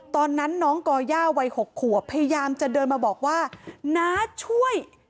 ตอนนั้นน้องก่อย่าวัย๖ขวบพยายามจะเดินมาบอกว่าน้าช่วย